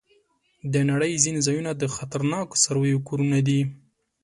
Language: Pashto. د نړۍ ځینې ځایونه د خطرناکو څارويو کورونه دي.